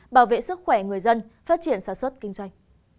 bảo vệ sức khỏe người dân phát triển sản xuất kinh doanh